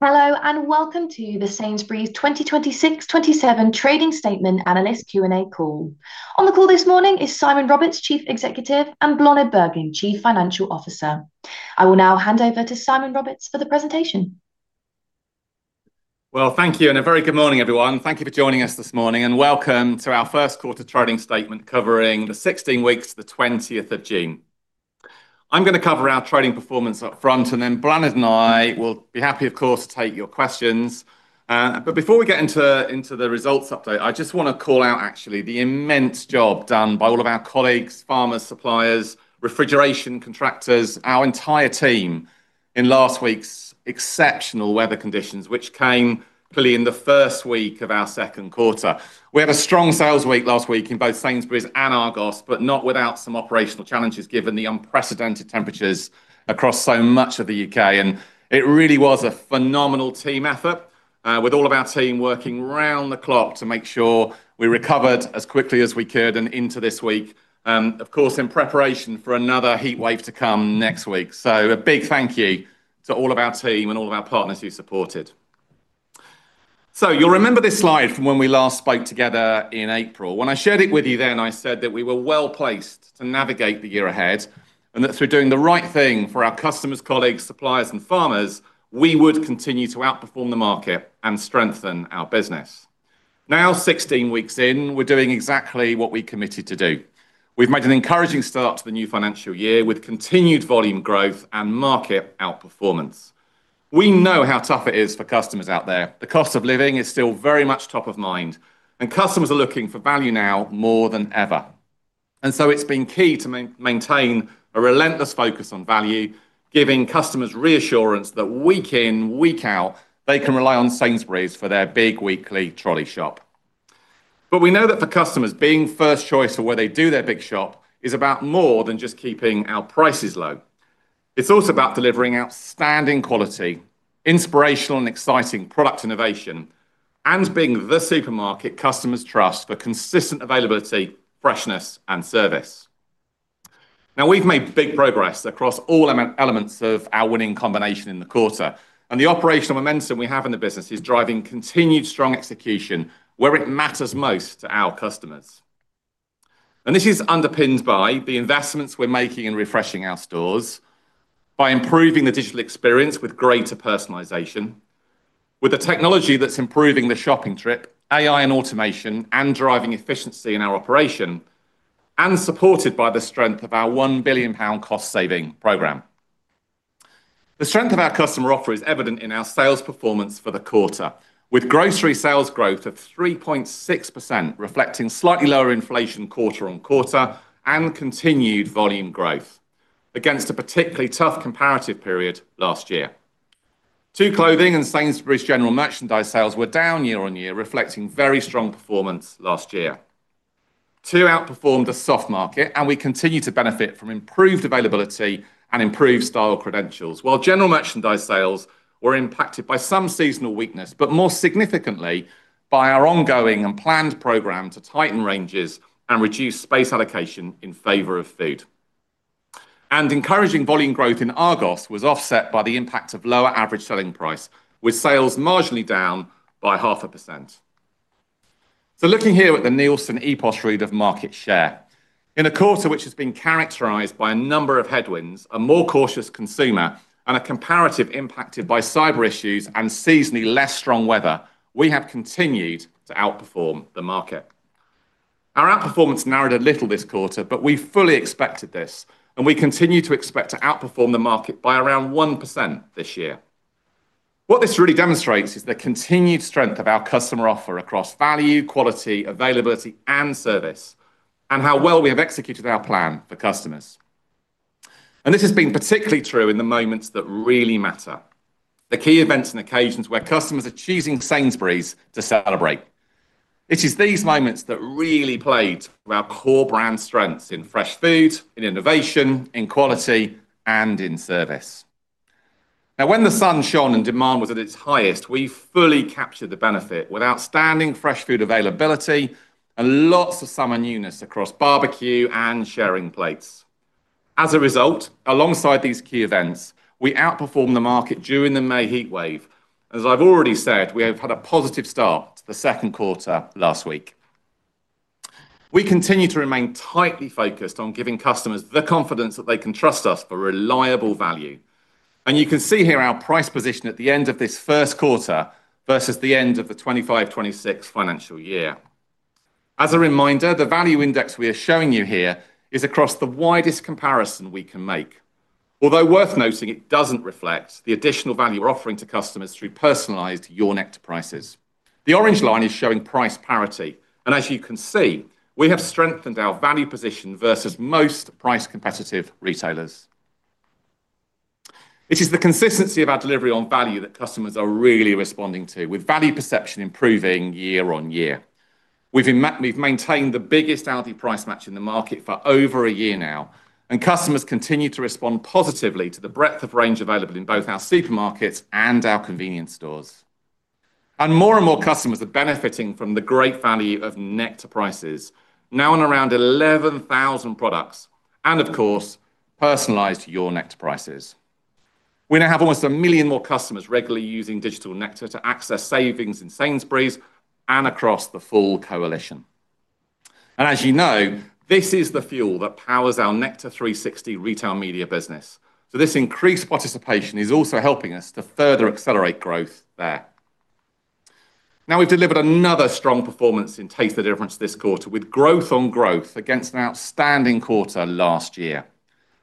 Hello, welcome to the Sainsbury's 2026-2027 trading statement analyst Q&A call. On the call this morning is Simon Roberts, Chief Executive, and Bláthnaid Bergin, Chief Financial Officer. I will now hand over to Simon Roberts for the presentation. Well, thank you, a very good morning, everyone. Thank you for joining us this morning. Welcome to our first quarter trading statement covering the 16 weeks to the 20th of June. I am going to cover our trading performance up front, then Bláthnaid and I will be happy, of course, to take your questions. Before we get into the results update, I just want to call out actually the immense job done by all of our colleagues, farmers, suppliers, refrigeration contractors, our entire team in last week's exceptional weather conditions, which came fully in the first week of our second quarter. We had a strong sales week last week in both Sainsbury's and Argos, not without some operational challenges given the unprecedented temperatures across so much of the U.K. It really was a phenomenal team effort, with all of our team working around the clock to make sure we recovered as quickly as we could and into this week, of course, in preparation for another heatwave to come next week. A big thank you to all of our team and all of our partners who supported. You will remember this slide from when we last spoke together in April. When I shared it with you then, I said that we were well-placed to navigate the year ahead, that through doing the right thing for our customers, colleagues, suppliers and farmers, we would continue to outperform the market and strengthen our business. Now, 16 weeks in, we are doing exactly what we committed to do. We have made an encouraging start to the new financial year with continued volume growth and market outperformance. We know how tough it is for customers out there. The cost of living is still very much top of mind, customers are looking for value now more than ever. It has been key to maintain a relentless focus on value, giving customers reassurance that week in, week out, they can rely on Sainsbury's for their big weekly trolley shop. We know that for customers, being first choice for where they do their big shop is about more than just keeping our prices low. It is also about delivering outstanding quality, inspirational and exciting product innovation, being the supermarket customers trust for consistent availability, freshness, and service. Now we have made big progress across all elements of our winning combination in the quarter, the operational momentum we have in the business is driving continued strong execution where it matters most to our customers. This is underpinned by the investments we're making in refreshing our stores, by improving the digital experience with greater personalization, with the technology that's improving the shopping trip, AI and automation, and driving efficiency in our operation, and supported by the strength of our 1 billion pound cost-saving program. The strength of our customer offer is evident in our sales performance for the quarter, with grocery sales growth of 3.6%, reflecting slightly lower inflation quarter-on-quarter and continued volume growth against a particularly tough comparative period last year. Clothing and Sainsbury's General Merchandise sales were down year-on-year, reflecting very strong performance last year. Tu outperformed a soft market, and we continue to benefit from improved availability and improved style credentials. General Merchandise sales were impacted by some seasonal weakness, but more significantly by our ongoing and planned program to tighten ranges and reduce space allocation in favor of food. Encouraging volume growth in Argos was offset by the impact of lower average selling price, with sales marginally down by half a percent. Looking here at the Nielsen POS read of market share. In a quarter which has been characterized by a number of headwinds, a more cautious consumer, and a comparative impacted by cyber issues and seasonally less strong weather, we have continued to outperform the market. Our outperformance narrowed a little this quarter, but we fully expected this and we continue to expect to outperform the market by around 1% this year. What this really demonstrates is the continued strength of our customer offer across value, quality, availability and service, and how well we have executed our plan for customers. This has been particularly true in the moments that really matter, the key events and occasions where customers are choosing Sainsbury's to celebrate. It is these moments that really played to our core brand strengths in fresh food, in innovation, in quality, and in service. When the sun shone and demand was at its highest, we fully captured the benefit with outstanding fresh food availability and lots of summer newness across barbecue and sharing plates. As a result, alongside these key events, we outperformed the market during the May heatwave. As I've already said, we have had a positive start to the second quarter last week. You can see here our price position at the end of this first quarter versus the end of the 2025-2026 financial year. As a reminder, the value index we are showing you here is across the widest comparison we can make. Although worth noting, it doesn't reflect the additional value we're offering to customers through personalized Your Nectar Prices. The orange line is showing price parity, and as you can see, we have strengthened our value position versus most price competitive retailers. It is the consistency of our delivery on value that customers are really responding to, with value perception improving year-on-year. We've maintained the biggest Aldi Price Match in the market for over a year now. Customers continue to respond positively to the breadth of range available in both our supermarkets and our convenience stores. More and more customers are benefiting from the great value of Nectar Prices, now on around 11,000 products and of course, personalized to Your Nectar Prices. We now have almost a million more customers regularly using digital Nectar to access savings in Sainsbury's and across the full coalition. As you know, this is the fuel that powers our Nectar360 retail media business. This increased participation is also helping us to further accelerate growth there. We've delivered another strong performance in Taste the Difference this quarter with growth-on-growth against an outstanding quarter last year.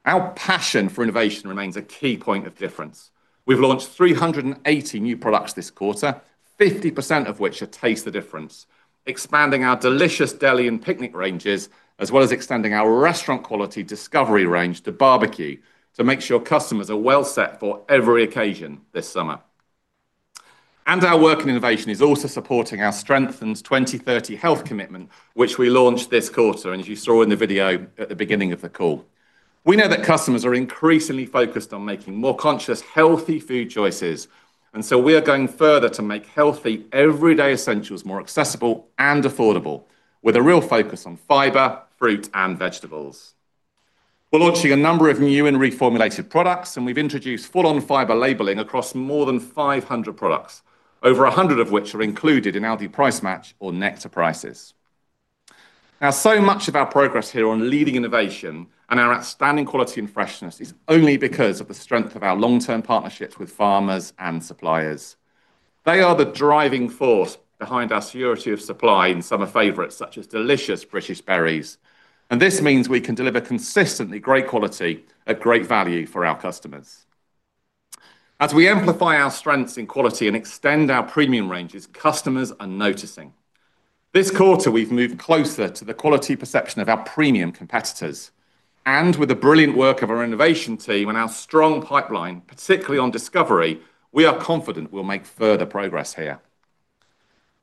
Our passion for innovation remains a key point of difference. We've launched 380 new products this quarter, 50% of which are Taste the Difference, expanding our delicious deli and picnic ranges, as well as extending our restaurant quality Discovery range to barbecue to make sure customers are well set for every occasion this summer. Our work in innovation is also supporting our strengthened 2030 health commitment, which we launched this quarter. As you saw in the video at the beginning of the call, we know that customers are increasingly focused on making more conscious, healthy food choices. We are going further to make healthy, everyday essentials more accessible and affordable with a real focus on fiber, fruit, and vegetables. We're launching a number of new and reformulated products, and we've introduced Full on Fibre labeling across more than 500 products, over 100 of which are included in Aldi Price Match or Nectar Prices. So much of our progress here on leading innovation and our outstanding quality and freshness is only because of the strength of our long-term partnerships with farmers and suppliers. They are the driving force behind our security of supply in summer favorites such as delicious British berries. This means we can deliver consistently great quality at great value for our customers. As we amplify our strengths in quality and extend our premium ranges, customers are noticing. This quarter, we've moved closer to the quality perception of our premium competitors, and with the brilliant work of our innovation team and our strong pipeline, particularly on Discovery, we are confident we'll make further progress here.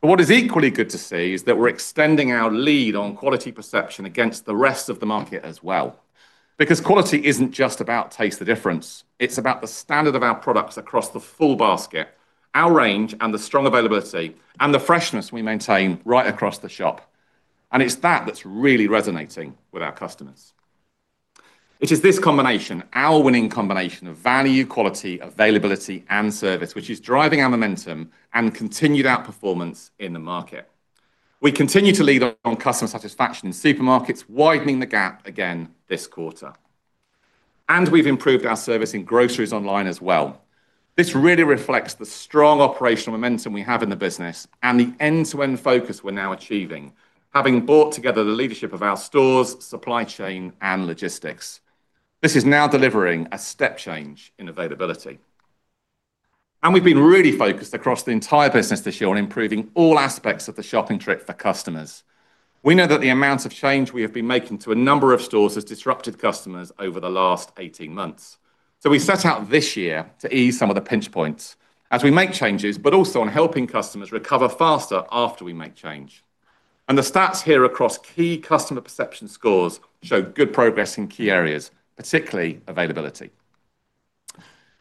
What is equally good to see is that we're extending our lead on quality perception against the rest of the market as well, because quality isn't just about Taste the Difference, it's about the standard of our products across the full basket, our range, and the strong availability, and the freshness we maintain right across the shop. It's that that's really resonating with our customers. It is this combination, our winning combination of value, quality, availability, and service, which is driving our momentum and continued outperformance in the market. We continue to lead on customer satisfaction in supermarkets, widening the gap again this quarter. We've improved our service in Groceries Online as well. This really reflects the strong operational momentum we have in the business and the end-to-end focus we're now achieving, having brought together the leadership of our stores, supply chain, and logistics. This is now delivering a step change in availability. We've been really focused across the entire business this year on improving all aspects of the shopping trip for customers. We know that the amount of change we have been making to a number of stores has disrupted customers over the last 18 months. We set out this year to ease some of the pinch points as we make changes, but also on helping customers recover faster after we make change. The stats here across key customer perception scores show good progress in key areas, particularly availability.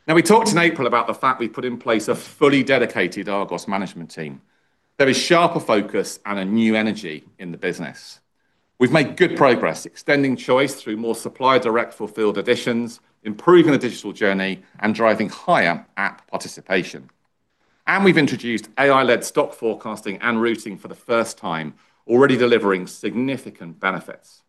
We talked in April about the fact we've put in place a fully dedicated Argos management team. There is sharper focus and a new energy in the business. We've made good progress extending choice through more supplier direct fulfilled editions, improving the digital journey, and driving higher app participation. We've introduced AI-led stock forecasting and routing for the first time, already delivering significant benefits.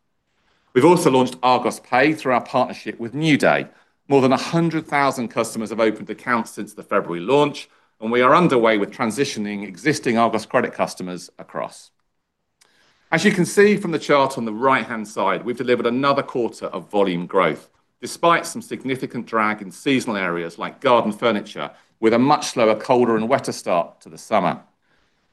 We've also launched Argos Pay through our partnership with NewDay. More than 100,000 customers have opened accounts since the February launch, and we are underway with transitioning existing Argos credit customers across. You can see from the chart on the right-hand side, we've delivered another quarter of volume growth, despite some significant drag in seasonal areas like garden furniture with a much slower, colder and wetter start to the summer.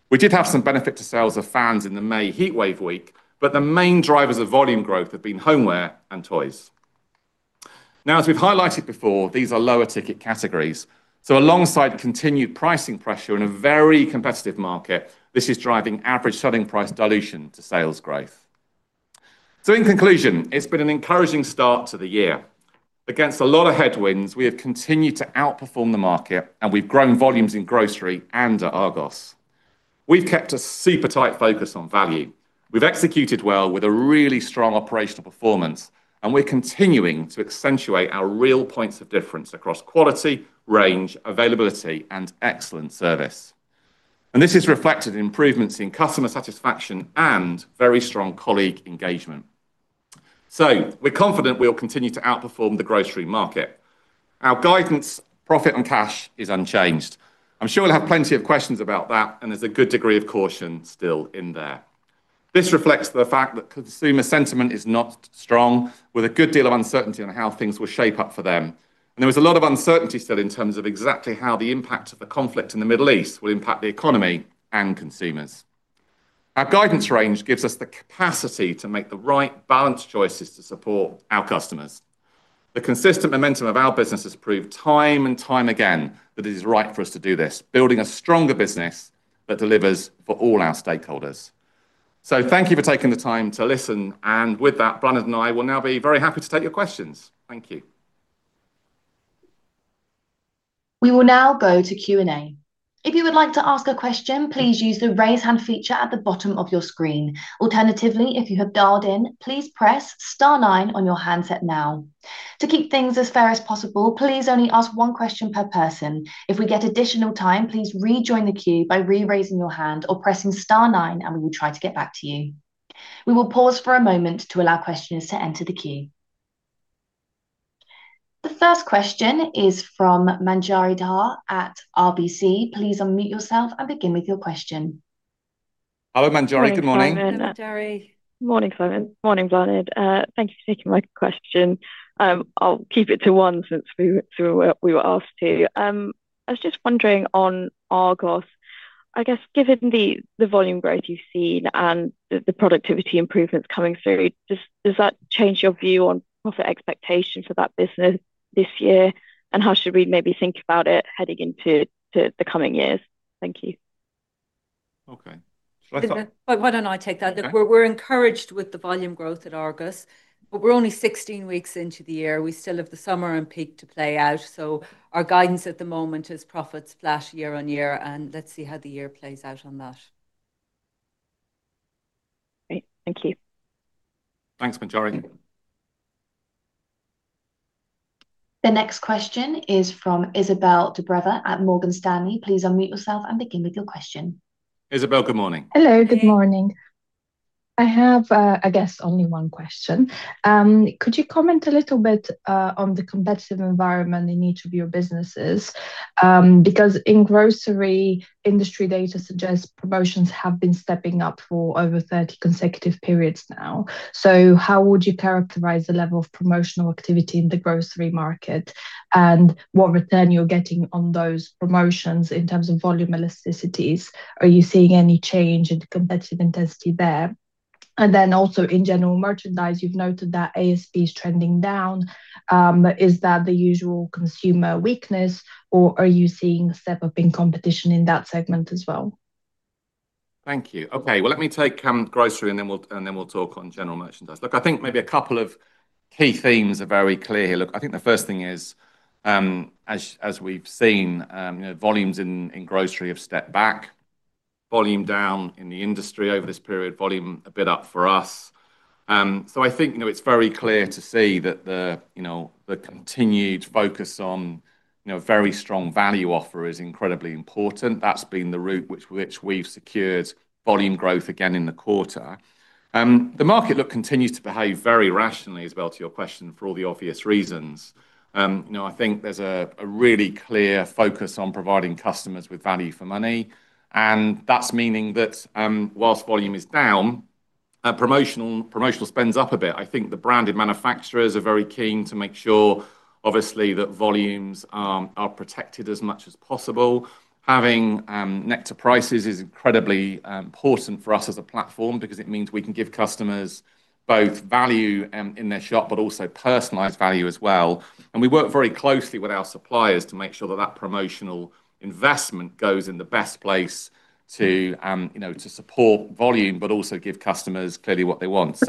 We did have some benefit to sales of fans in the May heatwave week, but the main drivers of volume growth have been homeware and toys. As we've highlighted before, these are lower ticket categories, alongside continued pricing pressure in a very competitive market, this is driving average selling price dilution to sales growth. In conclusion, it's been an encouraging start to the year. Against a lot of headwinds, we have continued to outperform the market, and we've grown volumes in Grocery and at Argos. We've kept a super tight focus on value. We've executed well with a really strong operational performance, and we're continuing to accentuate our real points of difference across quality, range, availability, and excellent service. This is reflected in improvements in customer satisfaction and very strong colleague engagement. We're confident we'll continue to outperform the grocery market. Our guidance, profit, and cash is unchanged. I'm sure we'll have plenty of questions about that, and there's a good degree of caution still in there. This reflects the fact that consumer sentiment is not strong, with a good deal of uncertainty on how things will shape up for them. There is a lot of uncertainty still in terms of exactly how the impact of the conflict in the Middle East will impact the economy and consumers. Our guidance range gives us the capacity to make the right balanced choices to support our customers. The consistent momentum of our business has proved time and time again that it is right for us to do this, building a stronger business that delivers for all our stakeholders. Thank you for taking the time to listen. With that, Bláthnaid and I will now be very happy to take your questions. Thank you We will now go to Q&A. If you would like to ask a question, please use the raise hand feature at the bottom of your screen. Alternatively, if you have dialed-in, please press star nine on your handset now. To keep things as fair as possible, please only ask one question per person. If we get additional time, please rejoin the queue by re-raising your hand or pressing star nine, and we will try to get back to you. We will pause for a moment to allow questioners to enter the queue. The first question is from Manjari Dhar at RBC. Please unmute yourself and begin with your question. Hello, Manjari. Good morning. Hello, Manjari. Morning, Simon. Morning, Bláthnaid. Thank you for taking my question. I'll keep it to one since we were asked to. I was just wondering on Argos, I guess given the volume growth you've seen and the productivity improvements coming through, does that change your view on profit expectation for that business this year? How should we maybe think about it heading into the coming years? Thank you. Okay. Should I start? Why don't I take that? Okay. Look, we're encouraged with the volume growth at Argos, but we're only 16 weeks into the year. We still have the summer and peak to play out. Our guidance at the moment is profits flat year-on-year, and let's see how the year plays out on that. Great. Thank you. Thanks, Manjari. The next question is from Izabel Dobreva at Morgan Stanley. Please unmute yourself and begin with your question. Izabel, good morning. Hello. Good morning. I have, I guess only one question. Could you comment a little bit on the competitive environment in each of your businesses? In grocery, industry data suggests promotions have been stepping up for over 30 consecutive periods now. How would you characterize the level of promotional activity in the grocery market, and what return you're getting on those promotions in terms of volume elasticities? Are you seeing any change in competitive intensity there? Also in General Merchandise, you've noted that ASP is trending down. Is that the usual consumer weakness, or are you seeing a step-up in competition in that segment as well? Thank you. Okay. Well, let me take grocery, and then we'll talk on General Merchandise. Look, I think maybe a couple of key themes are very clear here. Look, I think the first thing is, as we've seen, volumes in grocery have stepped back. Volume down in the industry over this period. Volume a bit up for us. I think it's very clear to see that the continued focus on very strong value offer is incredibly important. That's been the route which we've secured volume growth again in the quarter. The market, look, continues to behave very rationally as well, to your question, for all the obvious reasons. I think there's a really clear focus on providing customers with value for money, and that's meaning that, whilst volume is down, promotional spend's up a bit. I think the branded manufacturers are very keen to make sure, obviously, that volumes are protected as much as possible. Having Nectar Prices is incredibly important for us as a platform because it means we can give customers both value in their shop, but also personalized value as well. We work very closely with our suppliers to make sure that promotional investment goes in the best place to support volume, but also give customers clearly what they want.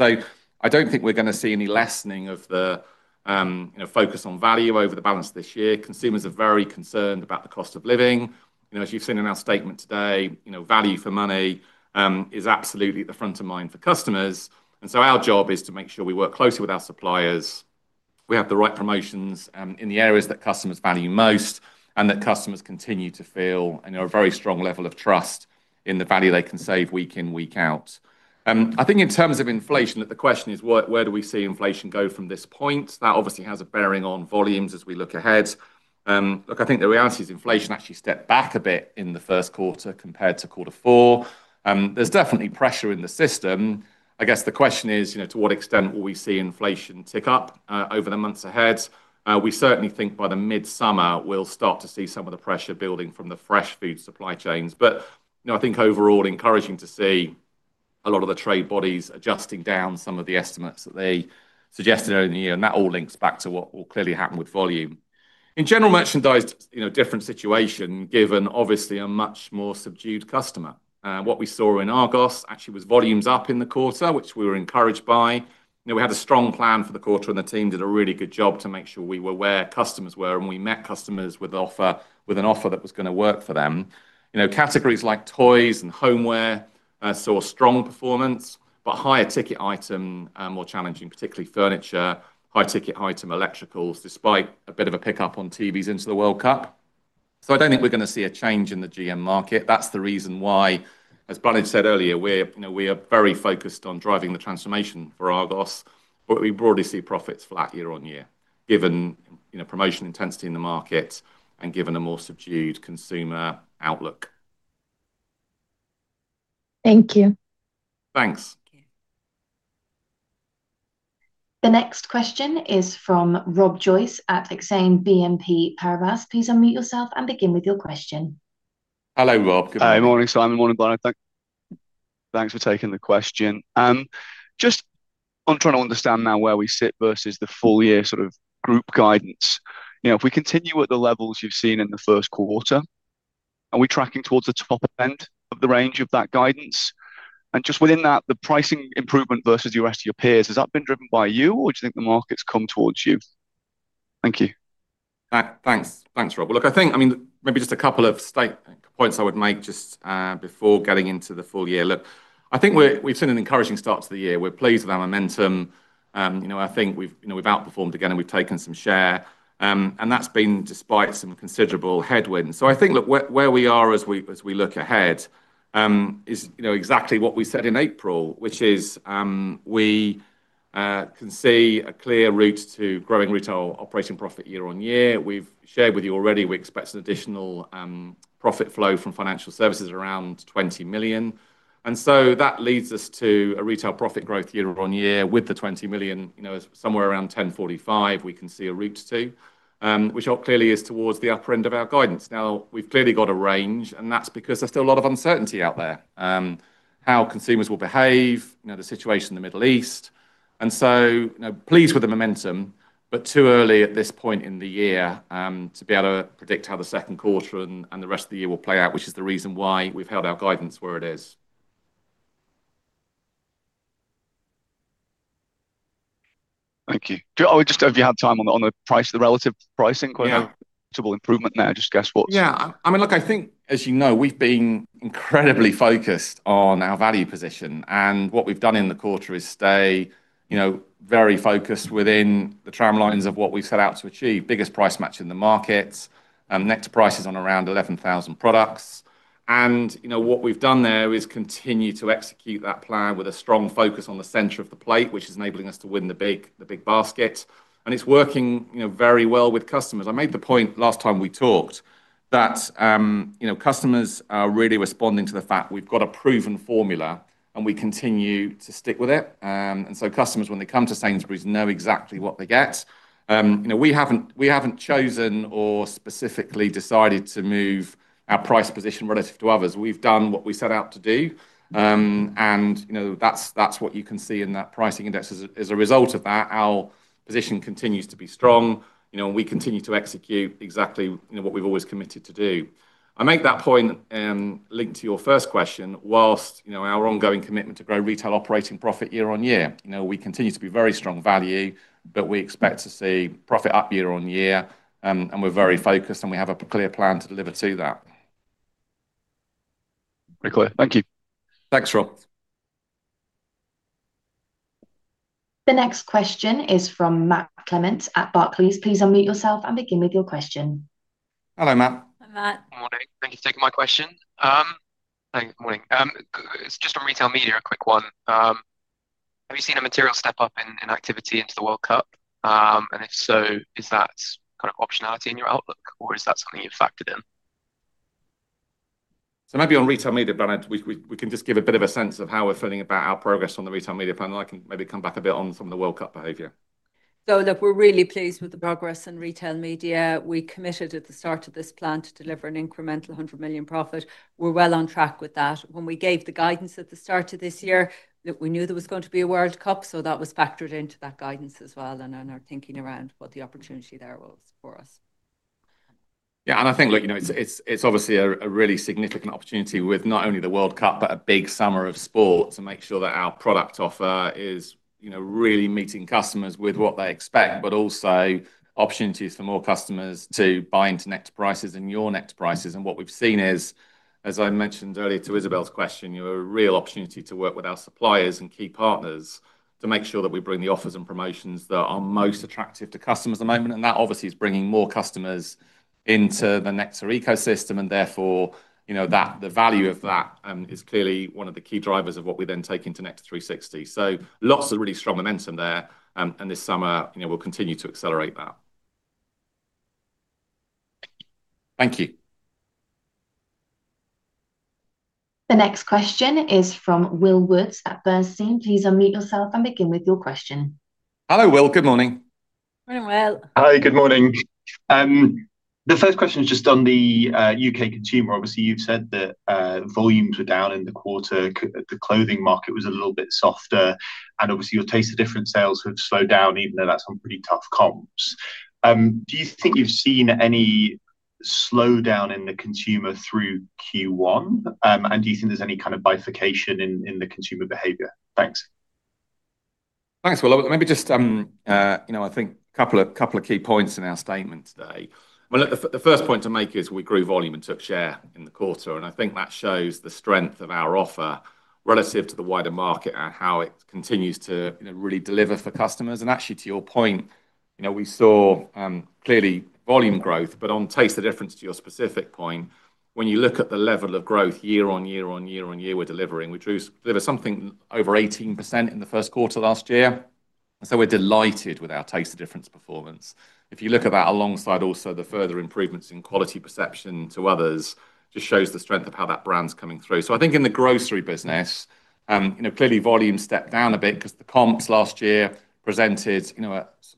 I don't think we're going to see any lessening of the focus on value over the balance this year. Consumers are very concerned about the cost of living. As you've seen in our statement today, value for money is absolutely at the front of mind for customers. Our job is to make sure we work closely with our suppliers, we have the right promotions in the areas that customers value most, and that customers continue to feel a very strong level of trust in the value they can save week in, week out. I think in terms of inflation, the question is where do we see inflation go from this point? That obviously has a bearing on volumes as we look ahead. Look, I think the reality is inflation actually stepped back a bit in the first quarter compared to quarter four. There's definitely pressure in the system. I guess the question is, to what extent will we see inflation tick up over the months ahead? We certainly think by the midsummer we'll start to see some of the pressure building from the fresh food supply chains. I think overall, encouraging to see a lot of the trade bodies adjusting down some of the estimates that they suggested earlier in the year. That all links back to what will clearly happen with volume. In General Merchandise, different situation given obviously a much more subdued customer. What we saw in Argos actually was volumes up in the quarter, which we were encouraged by. We had a strong plan for the quarter, and the team did a really good job to make sure we were where customers were, and we met customers with an offer that was going to work for them. Categories like toys and homeware saw strong performance, but higher ticket item, more challenging, particularly furniture. High ticket item, electricals, despite a bit of a pickup on TVs into the World Cup. I don't think we're going to see a change in the GM market. That's the reason why, as Bláthnaid said earlier, we are very focused on driving the transformation for Argos. We broadly see profits flat year-on-year, given promotion intensity in the market and given a more subdued consumer outlook. Thank you. Thanks. Thank you. The next question is from Rob Joyce at Exane BNP Paribas. Please unmute yourself and begin with your question. Hello, Rob. Good morning. Morning, Simon. Morning, Bláthnaid. Thanks for taking the question. Just, I'm trying to understand now where we sit versus the full year group guidance. If we continue at the levels you've seen in the first quarter, are we tracking towards the top end of the range of that guidance? Just within that, the pricing improvement versus the rest of your peers, has that been driven by you, or do you think the market's come towards you? Thank you. Thanks, Rob. Look, I think maybe just a couple of points I would make just before getting into the full-year. Look, I think we've seen an encouraging start to the year. We're pleased with our momentum. I think we've outperformed again, and we've taken some share, and that's been despite some considerable headwinds. I think, look, where we are as we look ahead is exactly what we said in April, which is we can see a clear route to growing retail operating profit year-on-year. We've shared with you already, we expect an additional profit flow from financial services around 20 million. That leads us to a retail profit growth year-on-year with the 20 million, is somewhere around 1,045 we can see a route to. Which clearly is towards the upper end of our guidance. Now, we've clearly got a range, and that's because there's still a lot of uncertainty out there. How consumers will behave, the situation in the Middle East. Pleased with the momentum, but too early at this point in the year to be able to predict how the second quarter and the rest of the year will play out, which is the reason why we've held our guidance where it is. Thank you. Just if you have time on the price, the relative pricing- Yeah quite a notable improvement there. Just guess what's- Yeah, look, I think as you know, we've been incredibly focused on our value position, what we've done in the quarter is stay very focused within the tramlines of what we set out to achieve. Biggest price match in the market. Nectar Prices on around 11,000 products. What we've done there is continue to execute that plan with a strong focus on the center of the plate, which is enabling us to win the big basket. It's working very well with customers. I made the point last time we talked that customers are really responding to the fact we've got a proven formula, and we continue to stick with it. Customers, when they come to Sainsbury's know exactly what they get. We haven't chosen or specifically decided to move our price position relative to others. We've done what we set out to do. That's what you can see in that pricing index. As a result of that, our position continues to be strong, and we continue to execute exactly what we've always committed to do. I make that point linked to your first question, whilst our ongoing commitment to grow retail operating profit year-on-year. We continue to be very strong value, but we expect to see profit up year-on-year. We're very focused, and we have a clear plan to deliver to that. Very clear. Thank you. Thanks, Rob. The next question is from Matt Clements at Barclays. Please unmute yourself and begin with your question. Hello, Matt. Hi, Matt. Morning. Thank you for taking my question. Good morning. Just from retail media, a quick one. Have you seen a material step up in activity into the World Cup? If so, is that kind of optionality in your outlook, or is that something you've factored in? Maybe on retail media, Matt, we can just give a bit of a sense of how we're feeling about our progress on the retail media front, and I can maybe come back a bit on some of the World Cup behavior. Look, we're really pleased with the progress in retail media. We committed at the start of this plan to deliver an incremental 100 million profit. We're well on track with that. When we gave the guidance at the start of this year, look, we knew there was going to be a World Cup, so that was factored into that guidance as well and in our thinking around what the opportunity there was for us. I think it's obviously a really significant opportunity with not only the World Cup, but a big summer of sport to make sure that our product offer is really meeting customers with what they expect, but also opportunities for more customers to buy into Nectar Prices and Your Nectar Prices. What we've seen is, as I mentioned earlier to Izabel's question, a real opportunity to work with our suppliers and key partners to make sure that we bring the offers and promotions that are most attractive to customers at the moment. That obviously is bringing more customers into the Nectar ecosystem. Therefore, the value of that is clearly one of the key drivers of what we then take into Nectar360. Lots of really strong momentum there. This summer, we'll continue to accelerate that. Thank you. The next question is from Will Woods at Bernstein. Please unmute yourself and begin with your question. Hello, Will. Good morning. Morning, Will. Hi, good morning. The first question is just on the U.K. consumer. Obviously, you've said that volumes were down in the quarter. The clothing market was a little bit softer. Obviously, your Taste the Difference sales have slowed down, even though that's on pretty tough comps. Do you think you've seen any slowdown in the consumer through Q1, and do you think there's any kind of bifurcation in the consumer behavior? Thanks. Thanks, Will. I think couple of key points in our statement today. Well, look, the first point to make is we grew volume and took share in the quarter, I think that shows the strength of our offer relative to the wider market and how it continues to really deliver for customers. Actually, to your point, we saw clearly volume growth, but on Taste the Difference to your specific point, when you look at the level of growth year-on-year-on-year-on-year, we're delivering. We delivered something over 18% in the first quarter of last year. So we're delighted with our Taste the Difference performance. If you look at that alongside also the further improvements in quality perception to others, just shows the strength of how that brand's coming through. I think in the grocery business, clearly volume stepped down a bit because the comps last year presented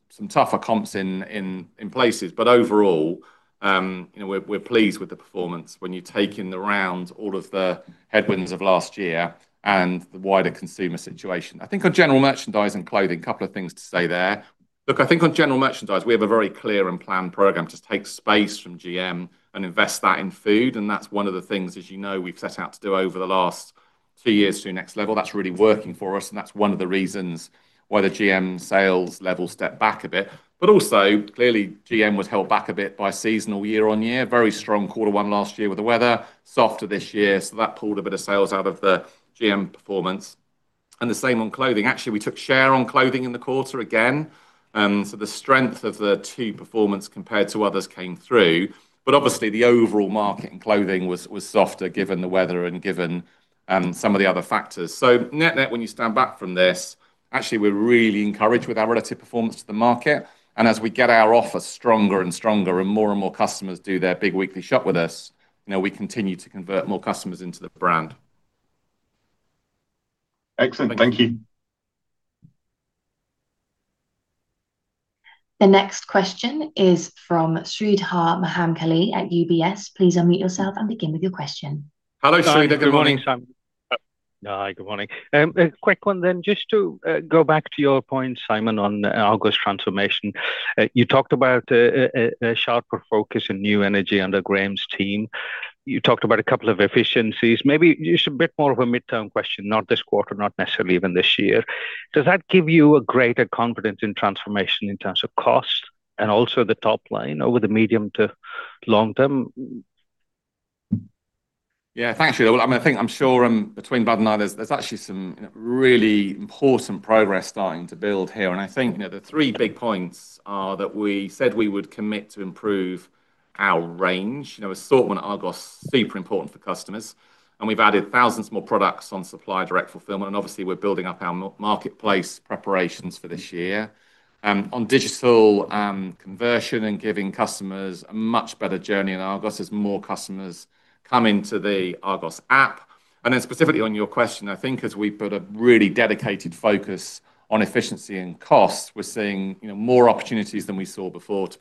some tougher comps in places. Overall, we're pleased with the performance when you take in around all of the headwinds of last year and the wider consumer situation. I think on General Merchandise and Clothing, couple of things to say there. Look, I think on General Merchandise, we have a very clear and planned program to take space from GM and invest that in food, that's one of the things, as you know, we've set out to do over the last two years through Next Level. That's really working for us, that's one of the reasons why the GM sales level stepped back a bit. Also, clearly GM was held back a bit by seasonal year-on-year. Very strong quarter one last year with the weather, softer this year. That pulled a bit of sales out of the GM performance. The same on Clothing. Actually, we took share on Clothing in the quarter again. The strength of the Tu performance compared to others came through. Obviously, the overall market in Clothing was softer given the weather and given some of the other factors. Net-net, when you stand back from this, actually we're really encouraged with our relative performance to the market. As we get our offer stronger and stronger and more and more customers do their big weekly shop with us, we continue to convert more customers into the brand. Excellent. Thank you. The next question is from Sreedhar Mahamkali at UBS. Please unmute yourself and begin with your question. Hello, Sreedhar. Good morning. Hi, good morning, Simon. Hi, good morning. A quick one then. Just to go back to your point, Simon, on Argos transformation. You talked about a sharper focus and new energy under Graeme's team. You talked about a couple of efficiencies. Maybe just a bit more of a midterm question, not this quarter, not necessarily even this year. Does that give you a greater confidence in transformation in terms of cost and also the top-line over the medium-to long-term? Thanks, Sreedhar. I think, I'm sure between Bláthnaid and I, there's actually some really important progress starting to build here. I think, the three big points are that we said we would commit to improve our range. You know, assortment at Argos, super important for customers, and we've added thousands more products on supplier direct fulfillment, and obviously we're building up our marketplace preparations for this year. On digital conversion and giving customers a much better journey in Argos as more customers come into the Argos app. Specifically on your question, I think as we put a really dedicated focus on efficiency and cost, we're seeing more opportunities than we saw before to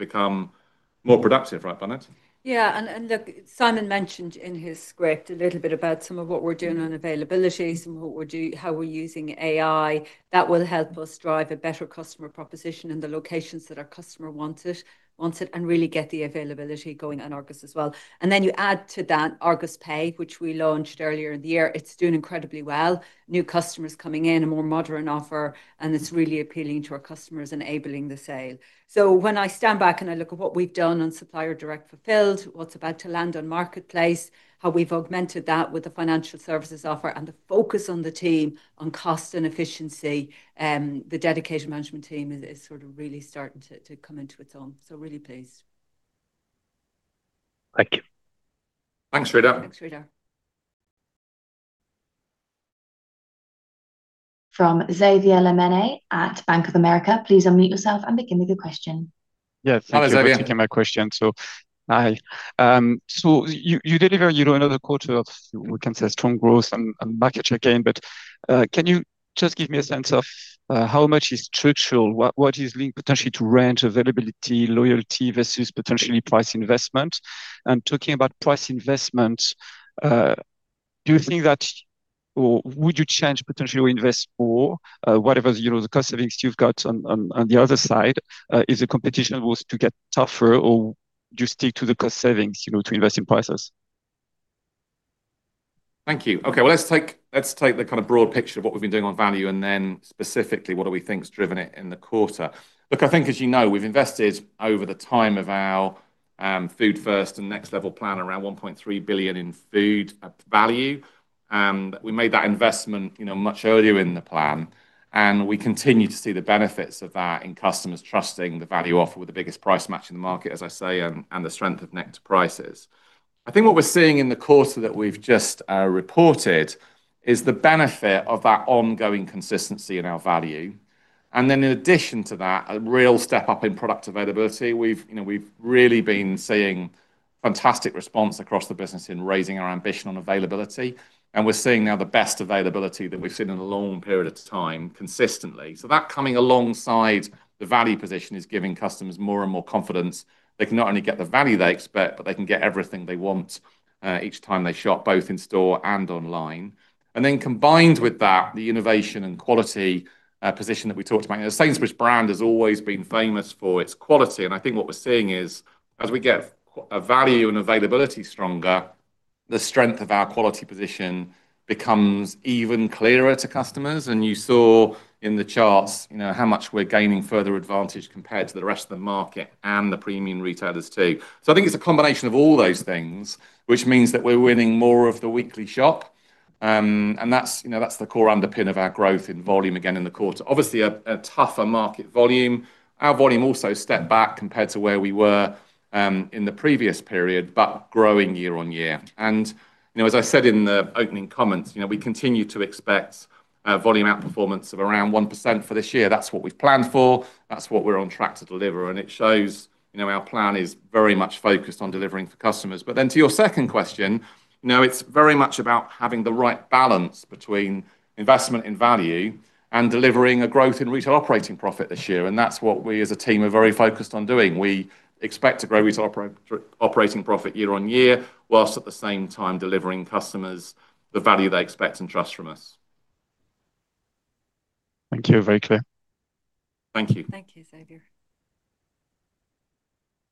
become more productive. Right, Bláthnaid? Look, Simon mentioned in his script a little bit about some of what we're doing on availability, how we're using AI. That will help us drive a better customer proposition in the locations that our customer wants it, and really get the availability going on Argos as well. You add to that Argos Pay, which we launched earlier in the year. It's doing incredibly well. New customers coming in, a more modern offer, and it's really appealing to our customers, enabling the sale. When I stand back and I look at what we've done on supplier direct fulfilled, what's about to land on marketplace, how we've augmented that with the financial services offer and the focus on the team on cost and efficiency, the dedicated management team is sort of really starting to come into its own. Really pleased. Thank you. Thanks, Sreedhar. Thanks, Sreedhar. From Xavier Le Mené at Bank of America, please unmute yourself and begin with your question. Hello, Xavier. Thank you for taking my question. Hi. You deliver another quarter of, we can say, strong growth and market share gain. Can you just give me a sense of how much is structural, what is linked potentially to range availability, loyalty versus potentially price investment? Talking about price investment, do you think that or would you change potentially or invest more, whatever the cost savings you've got on the other side, if the competition was to get tougher or do you stick to the cost savings to invest in prices? Thank you. Let's take the kind of broad picture of what we've been doing on value. Then specifically, what do we think has driven it in the quarter. I think as you know, we've invested over the time of our Food First and Next Level plan around 1.3 billion in food value. We made that investment much earlier in the plan. We continue to see the benefits of that in customers trusting the value offer with the biggest price match in the market, as I say, and the strength of Nectar Prices. I think what we're seeing in the quarter that we've just reported is the benefit of that ongoing consistency in our value. In addition to that, a real step up in product availability. We've really been seeing fantastic response across the business in raising our ambition on availability. We're seeing now the best availability that we've seen in a long period of time consistently. That coming alongside the value position is giving customers more and more confidence. They can not only get the value they expect, they can get everything they want each time they shop, both in store and online. Combined with that, the innovation and quality position that we talked about. The Sainsbury's brand has always been famous for its quality. I think what we're seeing is as we get our value and availability stronger, the strength of our quality position becomes even clearer to customers. You saw in the charts how much we're gaining further advantage compared to the rest of the market and the premium retailers too. I think it's a combination of all those things, which means that we're winning more of the weekly shop. That's the core underpin of our growth in volume again in the quarter. Obviously, a tougher market volume. Our volume also stepped back compared to where we were in the previous period, growing year-on-year. As I said in the opening comments, we continue to expect volume outperformance of around 1% for this year. That's what we've planned for. That's what we're on track to deliver. It shows our plan is very much focused on delivering for customers. To your second question, it's very much about having the right balance between investment in value and delivering a growth in retail operating profit this year. That's what we as a team are very focused on doing. We expect to grow retail operating profit year-on-year, whilst at the same time delivering customers the value they expect and trust from us. Thank you. Very clear. Thank you. Thank you, Xavier.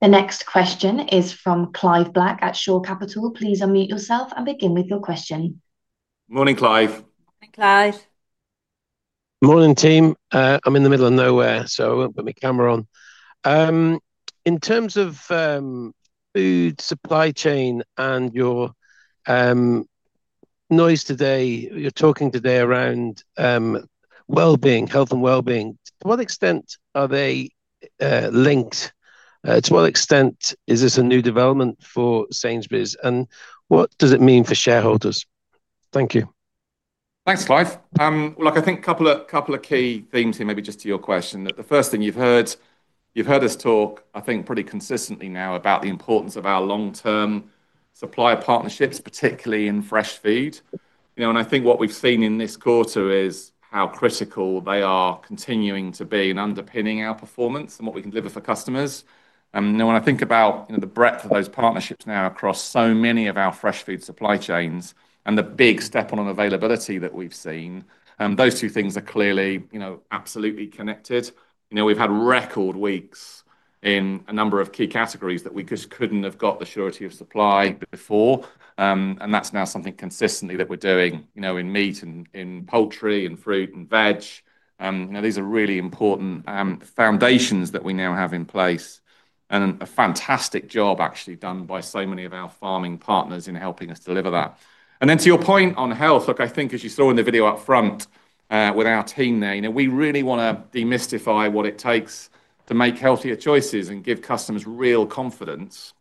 The next question is from Clive Black at Shore Capital. Please unmute yourself and begin with your question. Morning, Clive. Morning, Clive. Morning, team. I'm in the middle of nowhere, so I won't put my camera on. In terms of food supply chain and your noise today, you're talking today around well-being, health and well-being. To what extent are they linked? To what extent is this a new development for Sainsbury's, and what does it mean for shareholders? Thank you. Thanks, Clive. Look, I think couple of key themes here, maybe just to your question. The first thing you've heard us talk, I think, pretty consistently now about the importance of our long-term supplier partnerships, particularly in fresh food. I think what we've seen in this quarter is how critical they are continuing to be in underpinning our performance and what we can deliver for customers. When I think about the breadth of those partnerships now across so many of our fresh food supply chains and the big step on availability that we've seen, those two things are clearly absolutely connected. We've had record weeks in a number of key categories that we just couldn't have got the surety of supply before. That's now something consistently that we're doing, in meat and in poultry and fruit and veg. These are really important foundations that we now have in place and a fantastic job actually done by so many of our farming partners in helping us deliver that. To your point on health, look, I think as you saw in the video up front, with our team there, we really want to demystify what it takes to make healthier choices and give customers real confidence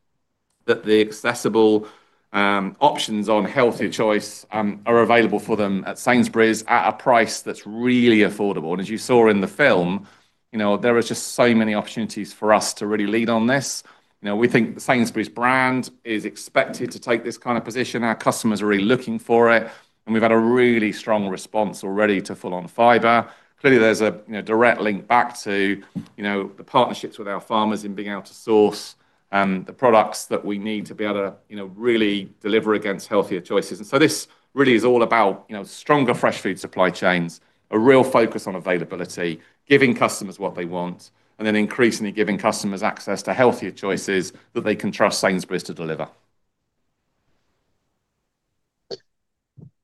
that the accessible options on healthier choice are available for them at Sainsbury's at a price that's really affordable. As you saw in the film, there are just so many opportunities for us to really lead on this. We think the Sainsbury's brand is expected to take this kind of position. Our customers are really looking for it, and we've had a really strong response already to Full On Fibre. Clearly, there's a direct link back to the partnerships with our farmers in being able to source the products that we need to be able to really deliver against healthier choices. This really is all about stronger fresh food supply chains, a real focus on availability, giving customers what they want, and then increasingly giving customers access to healthier choices that they can trust Sainsbury's to deliver.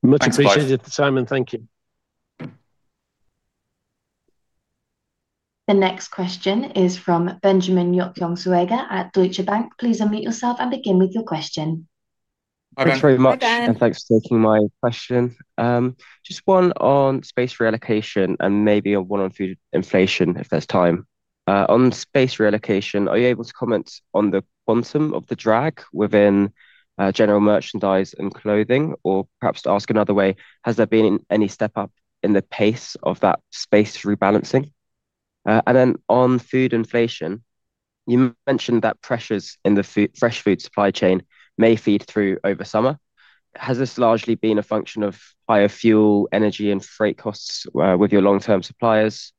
Much appreciated, Simon. Thank you. The next question is from Benjamin Yokyong-Zoega at Deutsche Bank. Please unmute yourself and begin with your question. Hi, Ben. Thanks very much, and thanks for taking my question. Just one on space reallocation and maybe one on food inflation if there's time. On space reallocation, are you able to comment on the quantum of the drag within General Merchandise and clothing? Perhaps to ask another way, has there been any step up in the pace of that space rebalancing? On food inflation, you mentioned that pressures in the fresh food supply chain may feed through over summer. Has this largely been a function of higher fuel, energy, and freight costs with your long-term suppliers?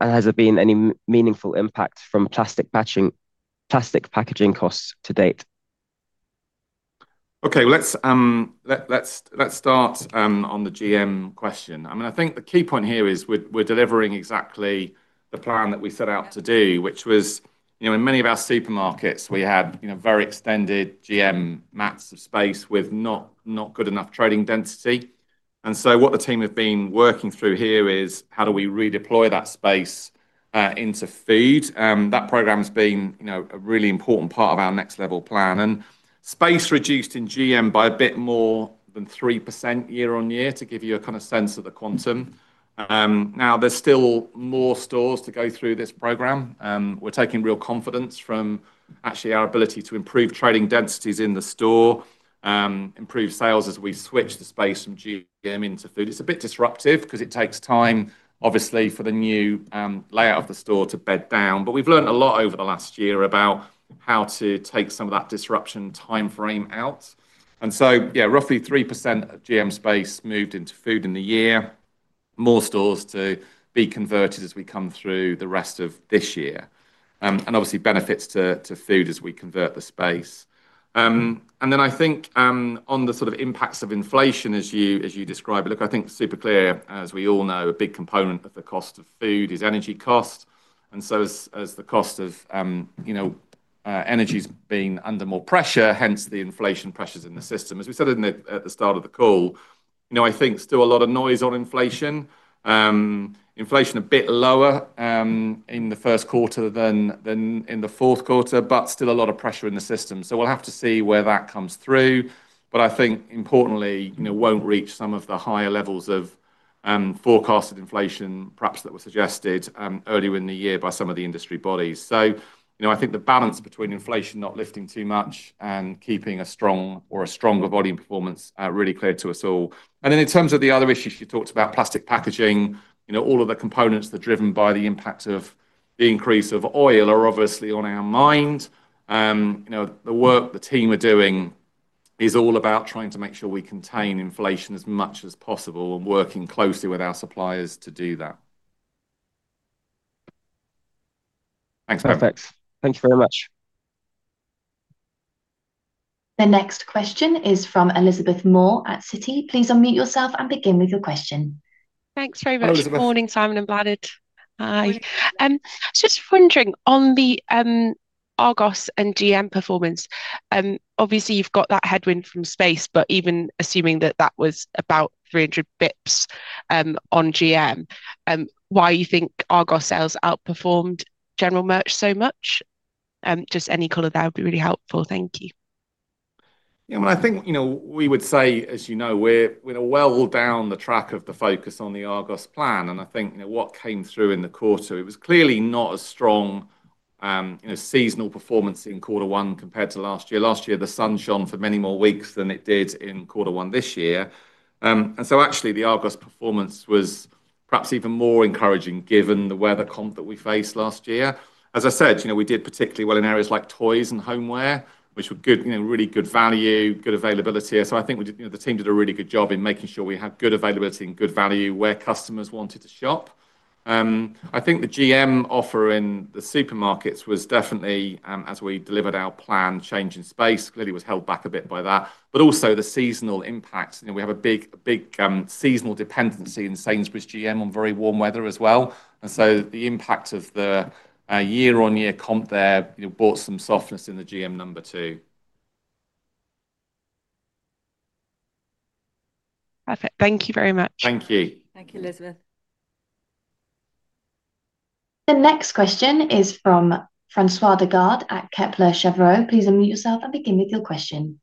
Has there been any meaningful impact from plastic packaging costs to-date? Okay. Let's start on the GM question. I think the key point here is we're delivering exactly the plan that we set out to do, which was, in many of our supermarkets, we had very extended GM mats of space with not good enough trading density. What the team have been working through here is how do we redeploy that space into food? That program's been a really important part of our Next Level plan. Space reduced in GM by a bit more than 3% year-on-year to give you a kind of sense of the quantum. Now, there's still more stores to go through this program. We're taking real confidence from actually our ability to improve trading densities in the store, improve sales as we switch the space from GM into food. It's a bit disruptive because it takes time, obviously, for the new layout of the store to bed down. We've learned a lot over the last year about how to take some of that disruption timeframe out. Yeah, roughly 3% of GM space moved into food in the year. There are more stores to be converted as we come through the rest of this year. Obviously, there are benefits to food as we convert the space. I think on the sort of impacts of inflation as you describe it, look, I think super clear, as we all know, a big component of the cost of food is energy cost. As the cost of energy's been under more pressure, hence the inflation pressures in the system. As we said at the start of the call, I think still a lot of noise on inflation. Inflation a bit lower in the first quarter than in the fourth quarter, still a lot of pressure in the system. We'll have to see where that comes through. I think importantly, won't reach some of the higher levels of forecasted inflation perhaps that were suggested earlier in the year by some of the industry bodies. I think the balance between inflation not lifting too much and keeping a strong or a stronger volume performance are really clear to us all. In terms of the other issues, you talked about plastic packaging. All of the components that are driven by the impact of the increase of oil are obviously on our mind. The work the team are doing is all about trying to make sure we contain inflation as much as possible and working closely with our suppliers to do that. Thanks, Ben. Perfect. Thank you very much. The next question is from Elizabeth Moore at Citi. Please unmute yourself and begin with your question. Thanks very much. Hello, Elizabeth. Morning, Simon and Bláthnaid. Hi. I was just wondering on the Argos and GM performance, obviously you've got that headwind from space, Even assuming that that was about 300 basis points on GM, why you think Argos sales outperformed General Merch so much? Just any color there would be really helpful. Thank you. I think, we would say, as you know, we're well down the track of the focus on the Argos plan, I think what came through in the quarter, it was clearly not a strong seasonal performance in quarter one compared to last year. Last year, the sun shone for many more weeks than it did in quarter one this year. Actually, the Argos performance was perhaps even more encouraging given the weather comp that we faced last year. As I said, we did particularly well in areas like toys and homeware, which were really good value, good availability. I think the team did a really good job in making sure we had good availability and good value where customers wanted to shop. I think the GM offer in the supermarkets was definitely, as we delivered our plan change in space, clearly was held back a bit by that. Also the seasonal impact. We have a big seasonal dependency in Sainsbury's GM on very warm weather as well. The impact of the year-on-year comp there brought some softness in the GM number too. Perfect. Thank you very much. Thank you. Thank you, Elizabeth. The next question is from François Digard at Kepler Cheuvreux. Please unmute yourself and begin with your question.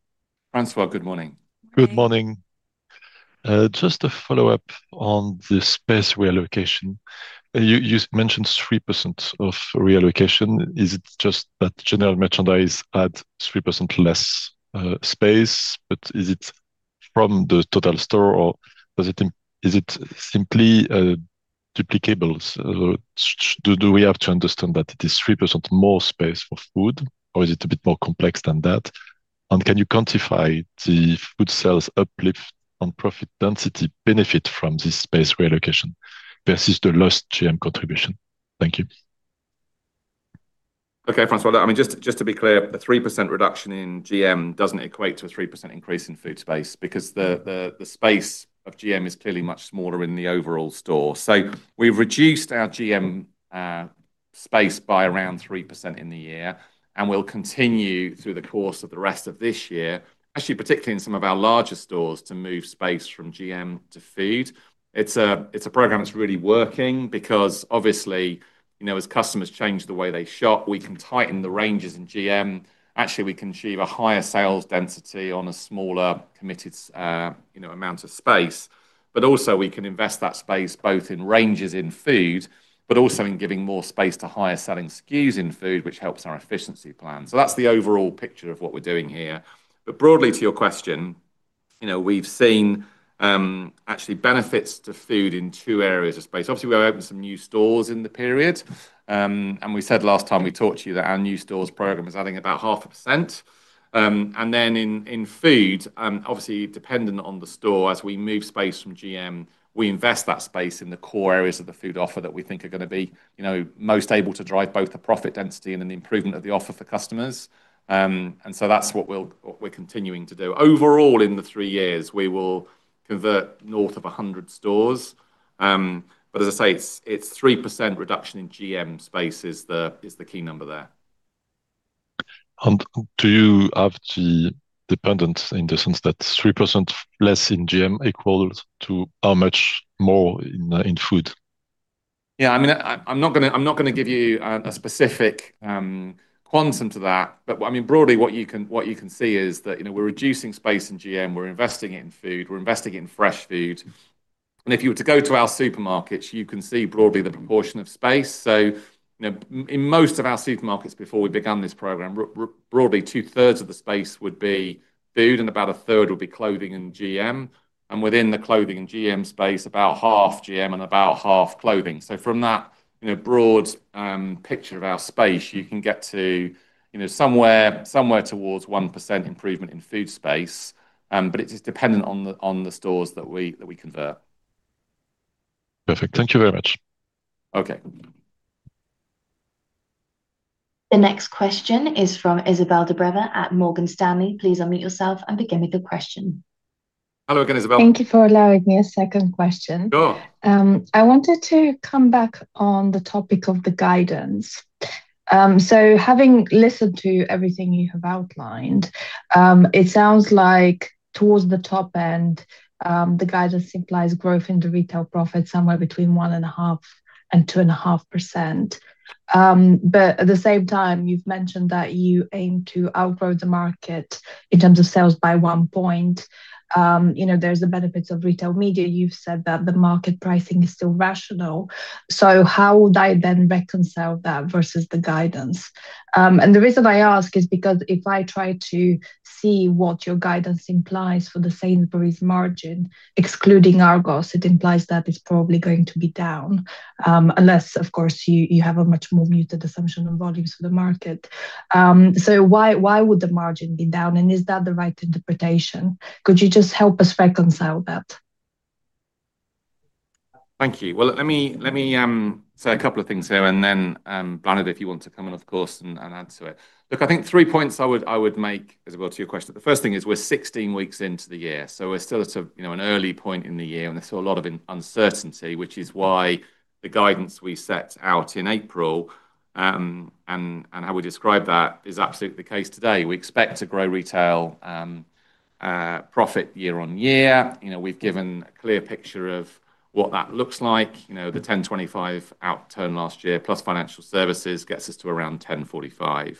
François, good morning. Good morning. Just a follow-up on the space reallocation. You mentioned 3% of reallocation. Is it just that General Merchandise had 3% less space, but is it from the total store, or is it simply duplicables? Do we have to understand that it is 3% more space for food, or is it a bit more complex than that? Can you quantify the food sales uplift on profit density benefit from this space reallocation versus the lost GM contribution? Thank you. Okay, François. Just to be clear, a 3% reduction in GM doesn't equate to a 3% increase in food space because the space of GM is clearly much smaller in the overall store. We've reduced our GM space by around 3% in the year, and we'll continue through the course of the rest of this year, actually, particularly in some of our larger stores, to move space from GM to food. It's a program that's really working because obviously, as customers change the way they shop, we can tighten the ranges in GM. Actually, we can achieve a higher sales density on a smaller committed amount of space. Also, we can invest that space both in ranges in food, but also in giving more space to higher selling SKUs in food, which helps our efficiency plan. That's the overall picture of what we're doing here. Broadly to your question, we've seen actually benefits to food in two areas of space. Obviously, we opened some new stores in the period. We said last time we talked to you that our new stores program is adding about half a percent. Then in food, obviously dependent on the store, as we move space from GM, we invest that space in the core areas of the food offer that we think are going to be most able to drive both the profit density and an improvement of the offer for customers. That's what we're continuing to do. Overall, in the three years, we will convert north of 100 stores. As I say, it's 3% reduction in GM space is the key number there. Do you have the dependent in the sense that 3% less in GM equals to how much more in food? I'm not going to give you a specific quantum to that. Broadly what you can see is that we're reducing space in GM. We're investing it in food. We're investing it in fresh food. If you were to go to our supermarkets, you can see broadly the proportion of space. In most of our supermarkets before we began this program, broadly two thirds of the space would be food and about a third would be clothing and GM. Within the clothing and GM space, about half GM and about half Clothing. From that broad picture of our space, you can get to somewhere towards 1% improvement in food space. It is dependent on the stores that we convert. Perfect. Thank you very much. Okay. The next question is from Izabel Dobreva at Morgan Stanley. Please unmute yourself and begin with your question. Hello again, Izabel. Thank you for allowing me a second question. Sure. I wanted to come back on the topic of the guidance. Having listened to everything you have outlined, it sounds like towards the top end, the guidance implies growth in the retail profit somewhere between 1.5% and 2.5%. At the same time, you've mentioned that you aim to outgrow the market in terms of sales by one point. There's the benefits of retail media. You've said that the market pricing is still rational. How would I then reconcile that versus the guidance? The reason I ask is because if I try to see what your guidance implies for the Sainsbury's margin, excluding Argos, it implies that it's probably going to be down. Unless, of course, you have a much more muted assumption on volumes for the market. Why would the margin be down, and is that the right interpretation? Could you just help us reconcile that? Thank you. Well, let me say a couple of things here, and then, Bláthnaid, if you want to come in, of course, and add to it. Look, I think three points I would make, Izabel, to your question. The first thing is we're 16 weeks into the year. We're still at an early point in the year, and there's still a lot of uncertainty, which is why the guidance we set out in April, and how we describe that, is absolutely the case today. We expect to grow retail profit year-on-year. We've given a clear picture of what that looks like. The 1,025 million outturn last year, plus financial services, gets us to around 1,045 million.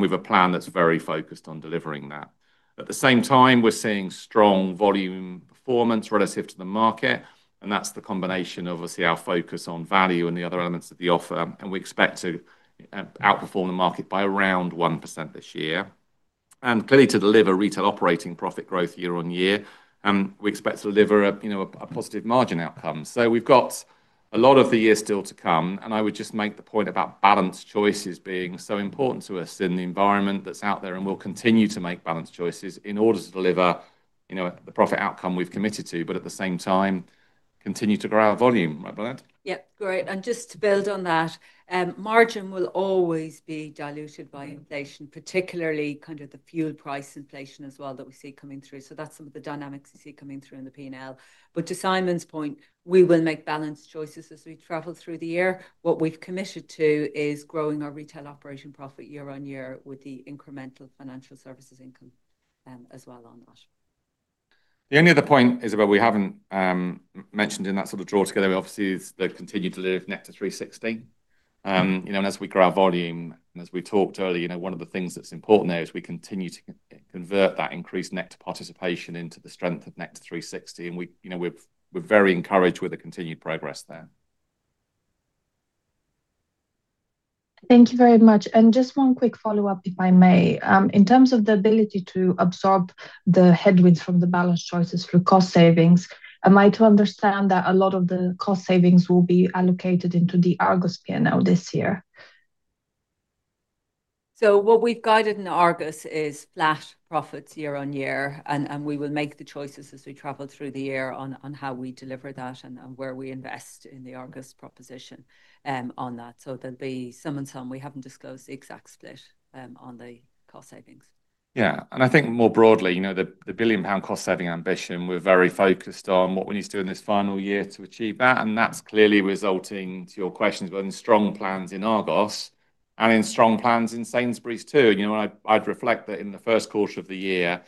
We've a plan that's very focused on delivering that. At the same time, we're seeing strong volume performance relative to the market, and that's the combination of, obviously, our focus on value and the other elements of the offer. We expect to outperform the market by around 1% this year. Clearly, to deliver retail operating profit growth year-on-year, we expect to deliver a positive margin outcome. We've got a lot of the year still to come, and I would just make the point about balanced choices being so important to us in the environment that's out there, and we'll continue to make balanced choices in order to deliver the profit outcome we've committed to. At the same time, continue to grow our volume. Right, Bláthnaid? Yeah. Great. Just to build on that, margin will always be diluted by inflation, particularly the fuel price inflation as well that we see coming through. That's some of the dynamics you see coming through in the P&L. To Simon's point, we will make balanced choices as we travel through the year. What we've committed to is growing our retail operation profit year-on-year with the incremental financial services income as well on that. The only other point, Izabel, we haven't mentioned in that sort of draw together obviously is the continued delivery of Nectar360. As we grow our volume and as we talked earlier, one of the things that's important there is we continue to convert that increased Nectar participation into the strength of Nectar360. We're very encouraged with the continued progress there. Thank you very much. Just one quick follow-up, if I may. In terms of the ability to absorb the headwinds from the balanced choices through cost savings, am I to understand that a lot of the cost savings will be allocated into the Argos P&L this year? What we've guided in Argos is flat profits year-on-year, and we will make the choices as we travel through the year on how we deliver that and where we invest in the Argos proposition on that. There'll be some and some. We haven't disclosed the exact split on the cost savings. I think more broadly, the 1 billion pound cost saving ambition we're very focused on what we need to do in this final year to achieve that, and that's clearly resulting, to your questions, Izabel, in strong plans in Argos and in strong plans in Sainsbury's, too. I'd reflect that in the first quarter of the year,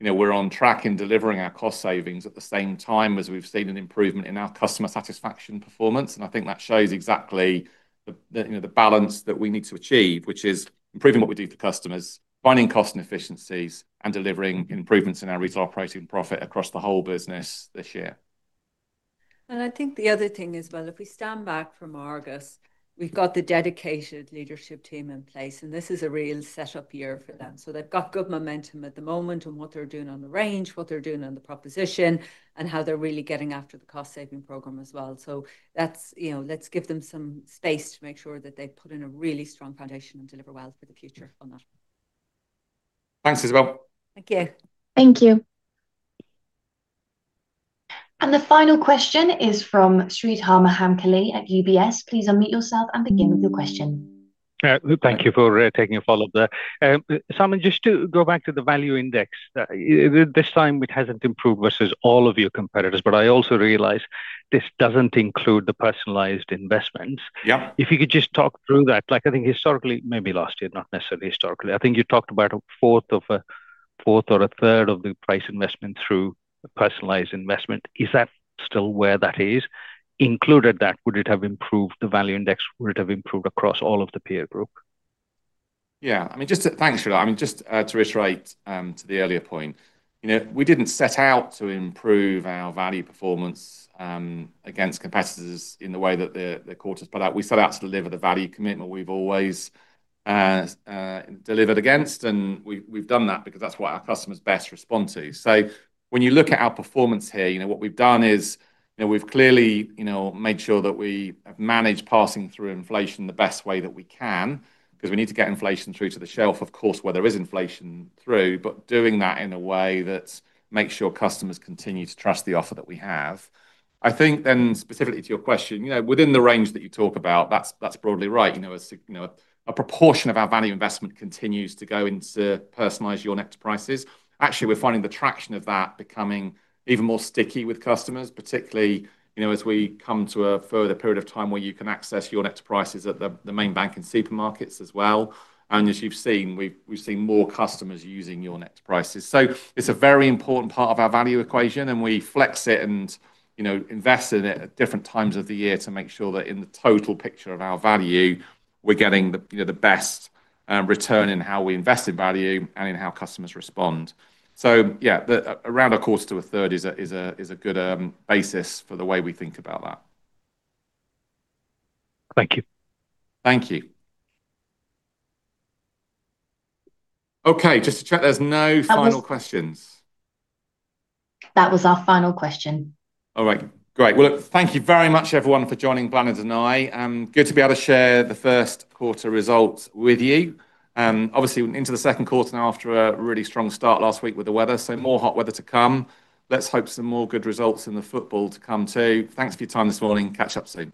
we're on track in delivering our cost savings at the same time as we've seen an improvement in our customer satisfaction performance. I think that shows exactly the balance that we need to achieve, which is improving what we do for customers, finding cost and efficiencies, and delivering improvements in our retail operating profit across the whole business this year. I think the other thing is, well, if we stand back from Argos, we've got the dedicated leadership team in place, and this is a real set-up year for them. They've got good momentum at the moment on what they're doing on the range, what they're doing on the proposition, and how they're really getting after the cost saving program as well. Let's give them some space to make sure that they put in a really strong foundation and deliver well for the future on that. Thanks, Izabel. Thank you. Thank you. The final question is from Sreedhar Mahamkali at UBS. Please unmute yourself and begin with your question. Thank you for taking a follow-up there. Simon, just to go back to the value index. This time it hasn't improved versus all of your competitors. I also realize this doesn't include the personalized investments. Yeah. If you could just talk through that. I think historically, maybe last year, not necessarily historically, I think you talked about a fourth or a third of the price investment through personalized investment. Is that still where that is? Included that, would it have improved the value index? Would it have improved across all of the peer group? Yeah. Thanks, Sreedhar. Just to reiterate to the earlier point, we didn't set out to improve our value performance against competitors in the way that the quarter's played out. We set out to deliver the value commitment we've always delivered against. We've done that because that's what our customers best respond to. When you look at our performance here, what we've done is we've clearly made sure that we have managed passing through inflation the best way that we can, because we need to get inflation through to the shelf, of course, where there is inflation through. Doing that in a way that makes sure customers continue to trust the offer that we have. I think specifically to your question, within the range that you talk about, that's broadly right. A proportion of our value investment continues to go into Personalize Your Nectar Prices. Actually, we're finding the traction of that becoming even more sticky with customers, particularly as we come to a further period of time where you can access Your Nectar Prices at the main bank and supermarkets as well. As you've seen, we've seen more customers using Your Nectar Prices. It's a very important part of our value equation, and we flex it and invest in it at different times of the year to make sure that in the total picture of our value, we're getting the best return in how we invest in value and in how customers respond. Yeah. Around a quarter to a third is a good basis for the way we think about that. Thank you. Thank you. Okay, just to check, there is no final questions? That was our final question. All right. Great. Well, look, thank you very much, everyone, for joining Bláthnaid and I. Good to be able to share the first quarter results with you. Obviously, into the second quarter now after a really strong start last week with the weather. More hot weather to come. Let's hope some more good results in the football to come, too. Thanks for your time this morning. Catch up soon.